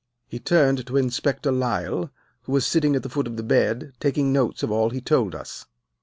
He turned to Inspector Lyle, who was sitting at the foot of the bed taking notes of all he told us.